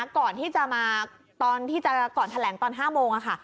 ก่อนที่จะมาตอนที่ก่อนแถลงตอน๕โมงค่ะ